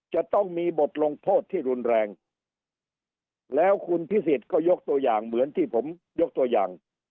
จะต้องมีบทลงโทษที่รุนแรงแล้วคุณพิสิทธิ์ก็ยกตัวอย่างเหมือนที่ผมยกตัวอย่าง